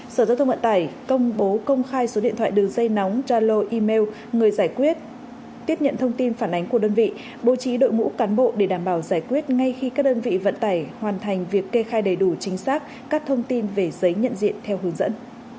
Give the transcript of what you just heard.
sở giao thông vận tải công bố công khai số điện thoại đường dây nóng zalo email người giải quyết tiếp nhận thông tin phản ánh của đơn vị bố trí đội ngũ cán bộ để đảm bảo giải quyết ngay khi các đơn vị vận tải hoàn thành việc kê khai đầy đủ chính xác các thông tin về giấy nhận diện theo hướng dẫn